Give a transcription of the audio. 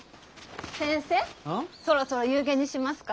先生そろそろ夕げにしますか？